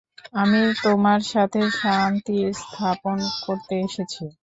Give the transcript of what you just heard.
আমি তোমার সাথে শান্তি স্থাপন করতে এসেছি।